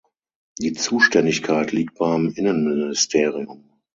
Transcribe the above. Die Zuständigkeit liegt beim Innenministerium.